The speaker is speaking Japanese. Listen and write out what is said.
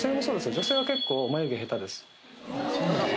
女性は結構眉毛下手です